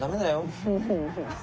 フフフフ。